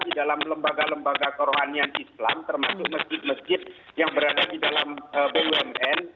di dalam lembaga lembaga kerohanian islam termasuk masjid masjid yang berada di dalam bumn